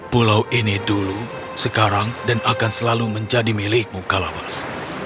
pulau ini dulu sekarang dan akan selalu menjadi milikmu kalawas